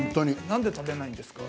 なぜ食べないんですか？